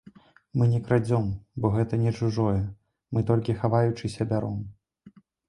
Мы не крадзём, бо гэта не чужое, мы толькі, хаваючыся, бяром!